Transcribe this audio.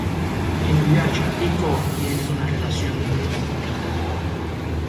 Inuyasha y Koga tiene una relación muy compleja.